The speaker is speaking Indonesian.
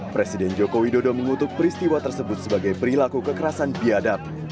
presiden joko widodo mengutuk peristiwa tersebut sebagai perilaku kekerasan biadab